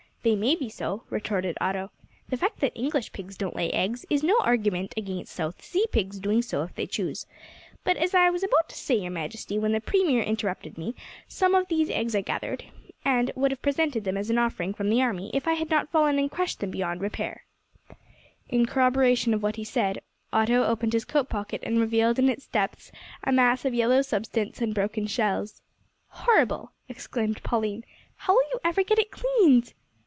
"They may be so," retorted Otto; "the fact that English pigs don't lay eggs, is no argument against South Sea pigs doing so, if they choose. But, as I was about to say, your Majesty, when the Premier interrupted me some of these eggs I gathered, and would have presented them as an offering from the army, if I had not fallen and crushed them beyond repair." In corroboration of what he said, Otto opened his coat pocket and revealed in its depths a mass of yellow substance, and broken shells. "Horrible!" exclaimed Pauline; "how will you ever get it cleaned?"